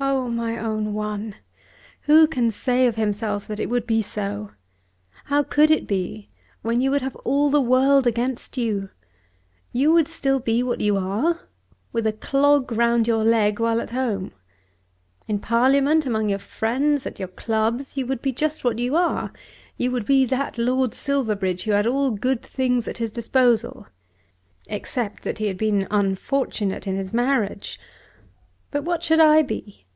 "Oh, my own one, who can say of himself that it would be so? How could it be so, when you would have all the world against you? You would still be what you are, with a clog round your leg while at home. In Parliament, among your friends, at your clubs, you would be just what you are. You would be that Lord Silverbridge who had all good things at his disposal, except that he had been unfortunate in his marriage! But what should I be?"